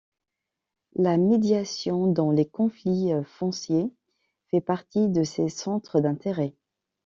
La médiation dans les conflits fonciers fait partie de ses centres d’intérêt.